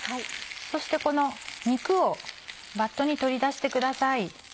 そしてこの肉をバットに取り出してください。